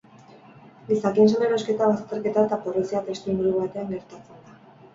Gizakien salerosketa bazterketa eta pobrezia testuinguru batean gertatzen da.